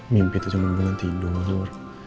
mimpi itu cuma bulan tidur